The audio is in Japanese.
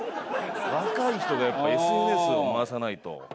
若い人がやっぱＳＮＳを回さないと。